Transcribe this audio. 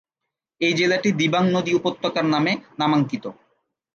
এই জেলাটি দিবাং নদী উপত্যকার নামে নামাঙ্কিত।